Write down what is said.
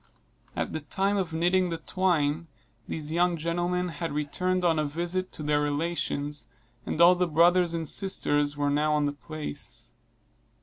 At the time of knitting the twine, these young gentlemen had returned on a visit to their relations, and all the brothers and sisters were now on the place.